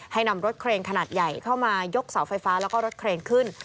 นำรถเครนขนาดใหญ่เข้ามายกเสาไฟฟ้าแล้วก็รถเครนขึ้น